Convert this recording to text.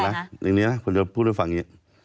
เดี๋ยวนะอย่างนี้นะผมจะพูดด้วยฝั่งนี้